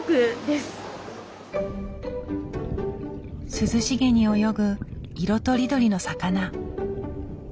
涼しげに泳ぐ色とりどりの魚。